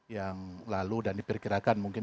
yang lalu dan diperkirakan mungkin